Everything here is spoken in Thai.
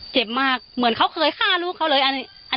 ที่มีข่าวเรื่องน้องหายตัว